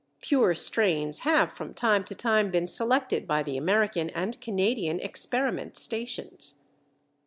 Pure strains have from time to time been selected by the American and Canadian experiment stations.